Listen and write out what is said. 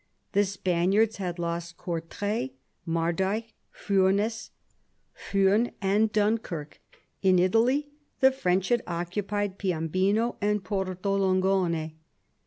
The Spaniards had lost Courtray, Mardyke, Fumes, and Dunkirk; in Italy the French had occupied Piombino and Porto Longone.